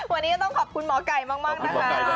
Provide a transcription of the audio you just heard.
วันนี้ก็ต้องขอบคุณหมอไก่มากนะคะ